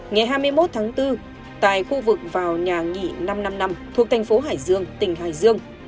ngày hai mươi một tháng bốn tại khu vực vào nhà nghỉ năm trăm năm mươi năm thuộc thành phố hải dương tỉnh hải dương